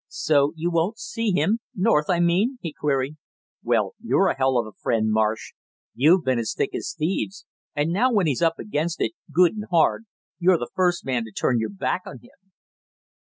"So you won't see him North, I mean?" he queried. "Well, you're a hell of a friend, Marsh. You've been as thick as thieves, and now when he's up against it good and hard, you're the first man to turn your back on him!"